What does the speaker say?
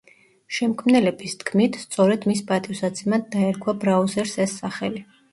შემქმნელების თქმით სწორედ მის პატივსაცემად დაერქვა ბრაუზერს ეს სახელი.